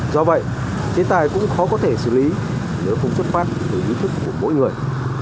do vậy chế tài cũng khó có thể xử lý nếu không xuất phát từ ý thức của mỗi người